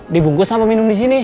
dibungkus sama minum di sini